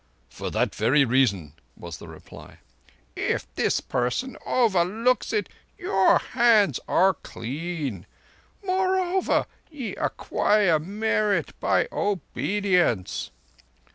"For that very reason," was the reply. "If this person overlooks it, your hands are clean. Moreover, ye acquire merit by obedience."